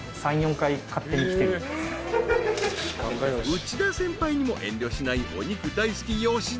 ［内田先輩にも遠慮しないお肉大好き吉田さん］